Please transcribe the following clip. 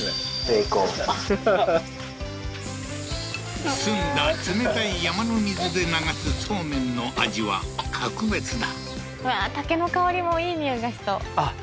成功澄んだ冷たい山の水で流すそうめんの味は格別だうわー竹の香りもいい匂いがしそうあっ